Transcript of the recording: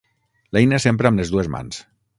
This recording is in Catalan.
L'eina s'empra amb les dues mans.